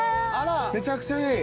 めちゃくちゃいい。